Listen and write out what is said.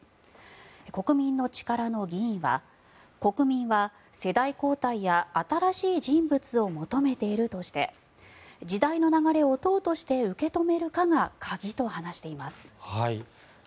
国民の力の議員は国民は世代交代や新しい人物を求めているとして時代の流れを党として受け止めるかが鍵と話しています。